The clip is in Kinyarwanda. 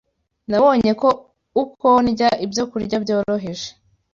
Nabonye ko uko ndya ibyokurya byoroheje